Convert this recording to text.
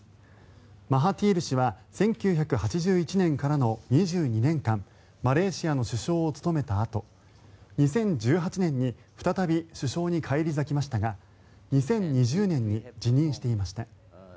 マハティール氏は１９８１年からの２２年間マレーシアの首相を務めたあと２０１８年に再び首相に返り咲きましたが２０２０年に辞任していました。